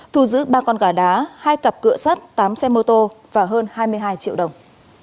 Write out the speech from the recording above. thu giữ ba con gà đá hai cặp cựa sắt tám xe mô tô và hơn hai mươi hai triệu đồng